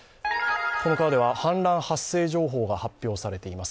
この川では氾濫発生情報が発表されています。